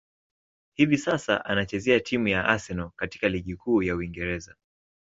Hivi sasa, anachezea timu ya Arsenal katika ligi kuu ya Uingereza.